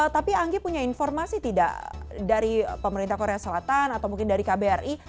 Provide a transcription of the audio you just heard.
tapi anggi punya informasi tidak dari pemerintah korea selatan atau mungkin dari kbri